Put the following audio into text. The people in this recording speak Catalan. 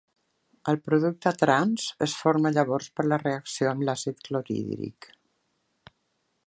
El producte trans es forma llavors per la reacció amb l'àcid clorhídric.